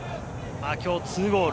今日２ゴール。